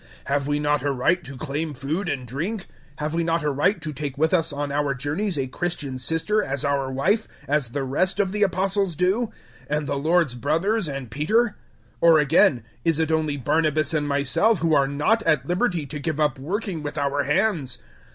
009:004 Have we not a right to claim food and drink? 009:005 Have we not a right to take with us on our journeys a Christian sister as our wife, as the rest of the Apostles do and the Lord's brothers and Peter? 009:006 Or again, is it only Barnabas and myself who are not at liberty to give up working with our hands?